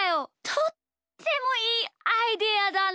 とってもいいアイデアだね！